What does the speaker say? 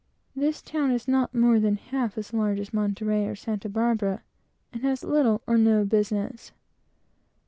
This town is not more than half as large as Monterey, or Santa Barbara, and has little or no business.